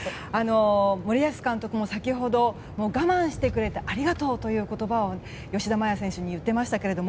森保監督も先ほど我慢してくれてありがとうという言葉を吉田麻也選手に言ってましたけれども。